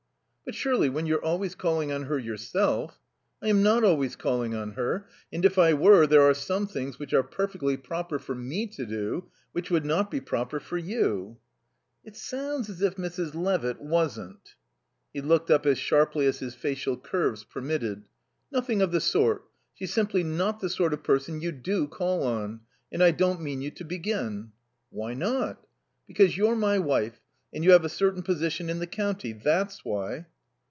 "But surely, when you're always calling on her yourself " "I am not always calling on her. And if I were, there are some things which are perfectly proper for me to do which would not be proper for you." "It sounds as if Mrs. Levitt wasn't." He looked up as sharply as his facial curves permitted. "Nothing of the sort. She's simply not the sort of person you do call on; and I don't mean you to begin." "Why not?" "Because you're my wife and you have a certain position in the county. That's why."